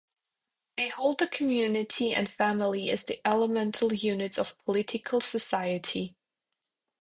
They hold the community and family as the elemental units of political society.